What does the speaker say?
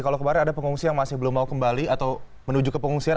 kalau kemarin ada pengungsi yang masih belum mau kembali atau menuju ke pengungsian